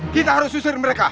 kita harus usir mereka